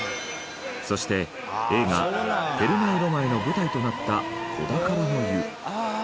そして映画『テルマエ・ロマエ』の舞台となった子宝の湯。